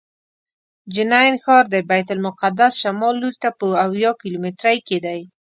جنین ښار د بیت المقدس شمال لوري ته په اویا کیلومترۍ کې دی.